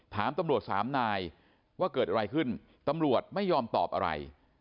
ถามตำรวจสามนายว่าเกิดอะไรขึ้นตำรวจไม่ยอมตอบอะไร